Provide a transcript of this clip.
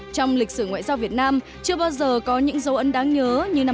trong lịch sử ngoại giao việt nam chưa bao giờ có những dấu ấn đáng nhớ như năm hai nghìn hai mươi